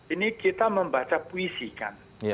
ini kita membaca puisi kan